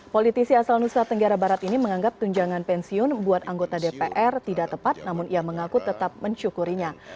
politisi asal nusa tenggara barat ini menganggap tunjangan pensiun buat anggota dpr tidak tepat namun ia mengaku tetap mencukurinya